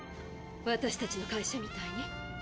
私たちの会社みたいに？